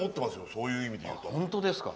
そういう意味で言うと。